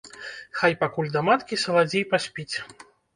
Хай, пакуль да маткі, саладзей паспіць!